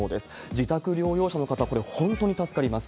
自宅療養者の方、これ、本当に助かります。